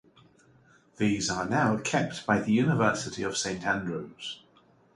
These are now kept by the University of St Andrews.